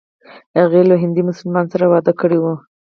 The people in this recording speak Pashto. هغې له یوه هندي مسلمان سره واده کړی و.